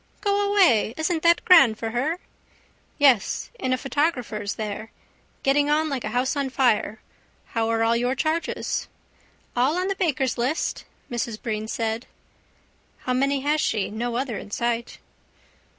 —Go away! Isn't that grand for her? —Yes. In a photographer's there. Getting on like a house on fire. How are all your charges? —All on the baker's list, Mrs Breen said. How many has she? No other in sight.